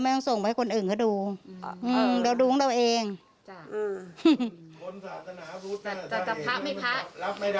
ไม่ต้องส่งไปให้คนอื่นก็ดูอ่าอืมเราดูของเราเองจ้ะอืมคนสาธารณะรู้จัก